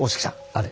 あれ。